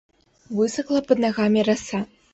Высыхала пад нагамі раса.